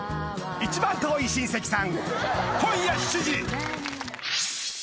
一番遠い親戚さん』